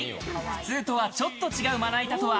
普通とはちょっと違う、まな板とは？